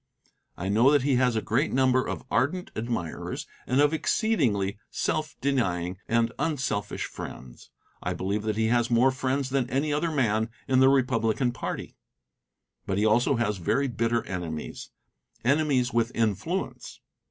I know that he has a great number of ardent admirers and of exceedingly self denying and unselfish friends. I believe that he has more friends than any other man in the Republican party; but he also has very bitter enemies enemies with influence.